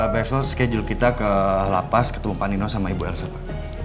besok schedule kita ke lapas ke tumpang dino sama ibu arsapa